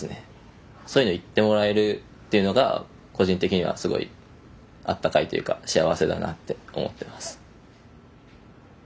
そういうのを言ってもらえるっていうのが個人的にはすごいあったかいというか幸せだなって思ってます。